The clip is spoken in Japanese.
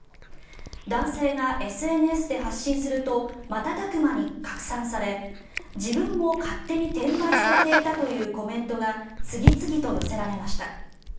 男性がＳＮＳで発信すると瞬く間に拡散され自分も勝手に転売されていたというコメントが次々と寄せられました。